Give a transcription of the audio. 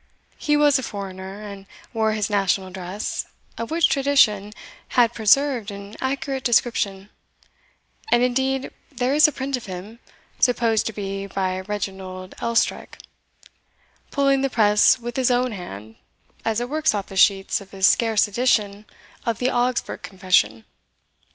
He was a foreigner, and wore his national dress, of which tradition had preserved an accurate description; and indeed there is a print of him, supposed to be by Reginald Elstracke, pulling the press with his own hand, as it works off the sheets of his scarce edition of the Augsburg Confession.